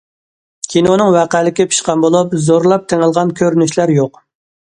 كىنونىڭ ۋەقەلىكى پىشقان بولۇپ، زورلاپ تېڭىلغان كۆرۈنۈشلەر يوق.